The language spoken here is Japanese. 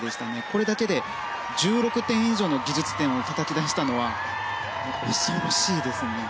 これだけで１６点以上の技術点をたたき出したのは恐ろしいですね。